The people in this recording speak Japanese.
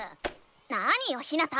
なによひなた！